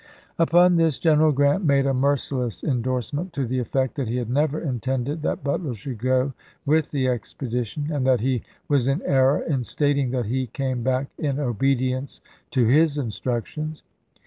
Upon this General Grant made a merciless indorse ment to the effect that he had never intended that Butler should go with the expedition, and that he was in error in stating that he came back in " obedi ence to his instructions."